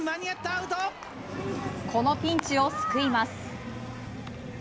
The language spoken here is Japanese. このピンチを救います。